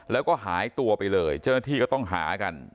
แล้วก็หายตัวไปเลยเจ้าหน้าที่ก็ต้องหากัน